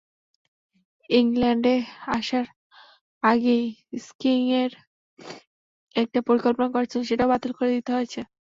ইংল্যান্ডে আসার আগেই স্কিইংয়ের একটা পরিকল্পনা করেছিলেন, সেটাও বাতিল করে দিতে হয়েছে।